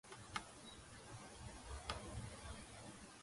იგი კვლავ რჩება მმართველი პარტიის ხელმძღვანელად.